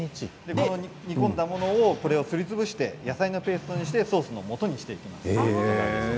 煮込んだものをすりつぶして野菜のペーストにしてソースのもとにしています。